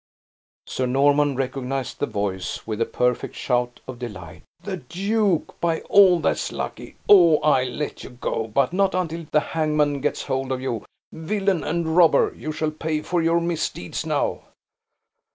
Sir Norman recognized the voice with a perfect shout of delight. "The duke, by all that's lucky! O, I'll let you go: but not until the hangman gets hold of you. Villain and robber, you shall pay for your misdeeds now!"